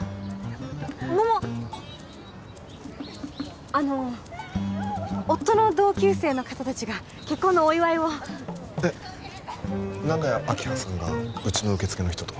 ももあの夫の同級生の方達が結婚のお祝いをえっ何で明葉さんがうちの受付の人と？